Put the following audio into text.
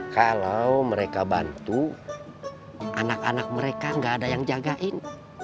kalau mereka bantu anak anak mereka gak ada yang jagain